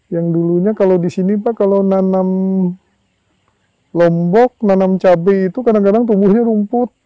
yang dulunya kalau di sini pak kalau nanam lombok nanam cabai itu kadang kadang tumbuhnya rumput